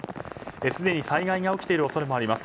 すでに災害が起きている恐れもあります。